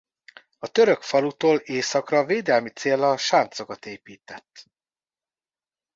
A török a falutól északra védelmi céllal sáncokat épített.